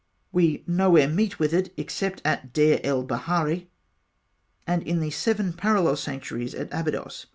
We nowhere meet with it, except at Deir el Baharî, and in the seven parallel sanctuaries of Abydos.